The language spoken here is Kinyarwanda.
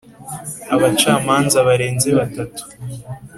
abacamanza barenze batatu .